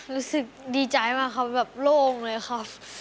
รู้สึกดีใจมากครับแบบโล่งเลยค่ะ